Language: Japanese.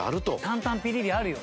担々ピリリあるよ。